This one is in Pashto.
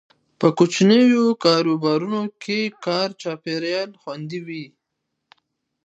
په کوچنیو کاروبارونو کې کاري چاپیریال خوندي وي.